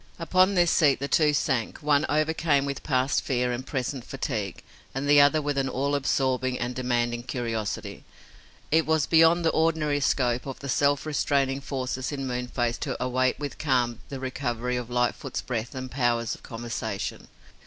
Upon this seat the two sank, one overcome with past fear and present fatigue, and the other with an all absorbing and demanding curiosity. It was beyond the ordinary scope of the self restraining forces in Moonface to await with calm the recovery of Lightfoot's breath and powers of conversation.